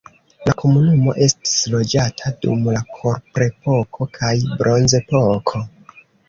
La komunumo estis loĝata dum la kuprepoko kaj bronzepoko.